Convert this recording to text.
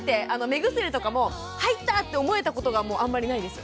目薬とかも入ったって思えたことがあんまりないです。